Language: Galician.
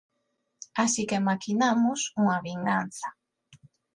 Así que maquinamos unha vinganza.